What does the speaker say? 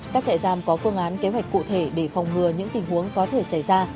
các trại giam có phương án kế hoạch cụ thể để phòng ngừa những tình huống có thể xảy ra